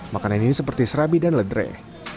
makanan ini seperti serabi dan ledre